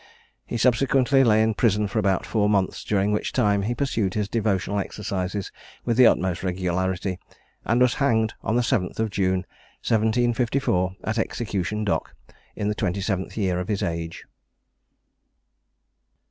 He subsequently lay in prison for about four months, during which time he pursued his devotional exercises with the utmost regularity, and was hanged on the 7th June, 1754, at Execution Dock, in the 27th year of his age.